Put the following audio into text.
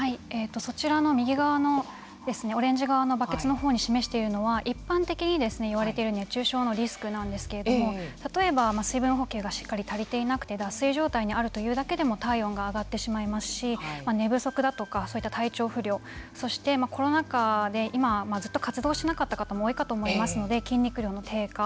そちらの右側のオレンジ側のバケツのほうに示しているのは一般的に言われている熱中症のリスクなんですけれども例えば水分補給がしっかり足りていなくて脱水状態にあるということだけでも体温が上がってしまいますし寝不足だとかそういった体調不良そしてコロナ禍で今、ずっと活動しなかった方も多いと思いますので筋肉量の低下。